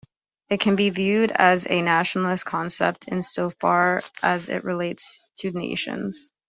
It can be viewed as a nationalist concept, insofar as it relates to nations.